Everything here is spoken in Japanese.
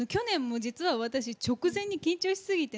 私、直前に緊張しすぎて